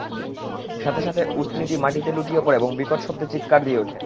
সাথে সাথে উটনীটি মাটিতে লুটিয়ে পড়ে এবং বিকট শব্দে চিৎকার দিয়ে ওঠে।